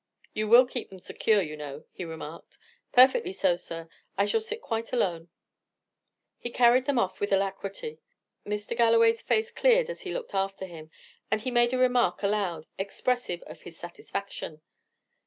"You will keep them secure, you know," he remarked. "Perfectly so, sir; I shall sit quite alone." He carried them off with alacrity. Mr. Galloway's face cleared as he looked after him, and he made a remark aloud, expressive of his satisfaction.